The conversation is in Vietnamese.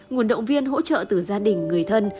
nguồn động viên hỗ trợ từ gia đình người thân